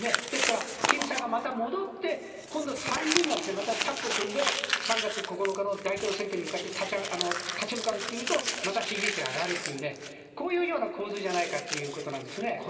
ですから、キムさんがまた戻って、今度３人がまたタッグを組んで、３月９日の大統領選挙に向かって立ち向かうっていうと、また支持率が上がるっていうね、こういうような構図じゃないかっていうことなんですね。